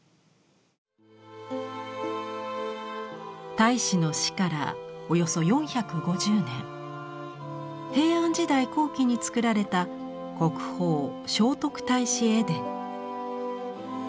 太子の死からおよそ４５０年平安時代後期に作られた国宝「聖徳太子絵伝」。